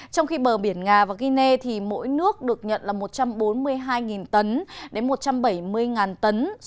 trong khi bờ biển nga và guinea thì mỗi nước được nhận là một trăm bốn mươi hai tấn đến một trăm bảy mươi tấn